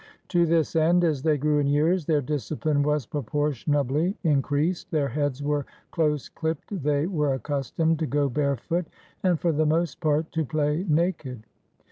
To this end, as they grew in years, their disciphne was proportion ably increased; their heads were close clipped, they were accustomed to go barefoot, and for the most part to play naked.